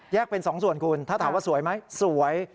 เป็น๒ส่วนคุณถ้าถามว่าสวยไหมสวย